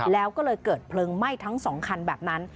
แล้วก็เลยเกิดเพลิงไหม้ทั้ง๒คันแบบนั้น